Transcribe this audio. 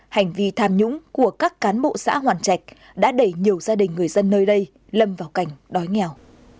hành vi tham nhũng của các cán bộ xã hoàn trạch đã đẩy nhiều gia đình người dân nơi đây lầm vào cảnh đói nghèo